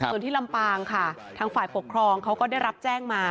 ส่วนที่ลำปางค่ะทางฝ่ายปกครองเขาก็ได้รับแจ้งมา